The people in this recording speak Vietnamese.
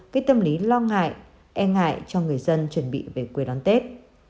cái tâm lý lo ngại e ngại cho người dân chuẩn bị về quê đón tết